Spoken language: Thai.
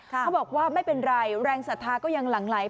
เขาบอกว่าไม่เป็นไรแรงศรัทธาก็ยังหลั่งไหล